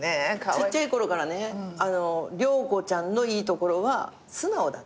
ちっちゃい頃からね良子ちゃんのいいところは素直だっけ？